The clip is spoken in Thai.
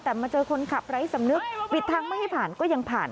แต่มาเจอคนขับไร้สำนึกปิดทางไม่ให้ผ่านก็ยังผ่าน